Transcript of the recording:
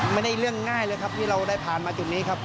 เรื่องง่ายเลยครับที่เราได้ผ่านมาจุดนี้ครับ